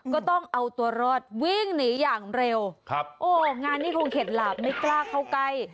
ก็ต้องเอาตัวรอดวิ่งหนีอย่างเร็วครับโอ้งานนี้คงเข็ดหลาบไม่กล้าเข้าใกล้